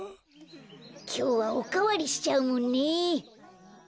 きょうはおかわりしちゃうもんね。